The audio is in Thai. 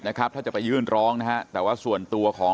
ถ้าจะไปยื่นร้องแต่ว่าส่วนตัวของ